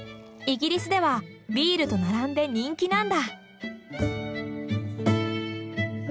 イギリスではビールと並んで人気なんだ。